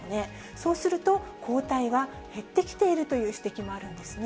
そうすると抗体が減ってきているという指摘もあるんですね。